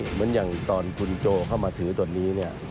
เหมือนอย่างตอนคุณโจเข้ามาถือตัวนี้เนี่ย